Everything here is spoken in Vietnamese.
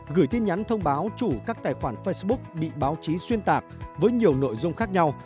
gửi tin nhắn thông báo chủ các tài khoản facebook bị báo chí xuyên tạc với nhiều nội dung khác nhau